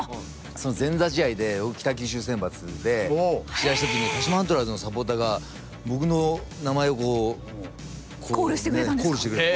その前座試合で北九州選抜で試合した時に鹿島アントラーズのサポーターが僕の名前をコールしてくれた。